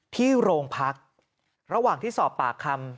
ที่โรงพักระหว่างที่สอบปากคำ